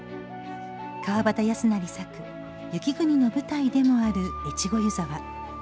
川端康成作「雪国」の舞台でもある、越後湯沢。